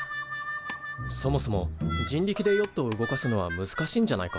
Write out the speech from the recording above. そもそも人力でヨットを動かすのは難しいんじゃないか？